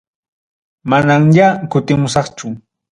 Manamñaya kutimusaqchu.